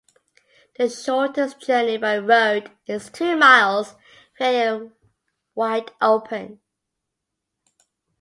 The shortest journey by road is two miles via Wideopen.